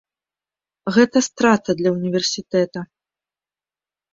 Гэта страта для ўніверсітэта.